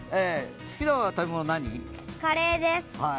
カレーです。